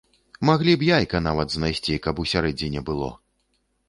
Маглі б яйка нават знайсці, каб усярэдзіне было!